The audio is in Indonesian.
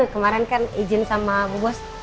kemarin kan izin sama bu bos